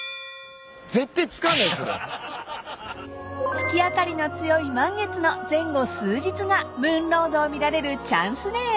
［月明かりの強い満月の前後数日がムーンロードを見られるチャンスデー］